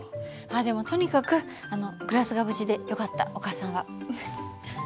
でもとにかくグラスが無事でよかったお母さんは。